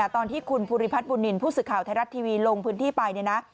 ตอนที่คุณภูริพัฒน์บุนนินผู้สื่อข่าวไทยรัตน์ทีวีลงพื้นที่ไป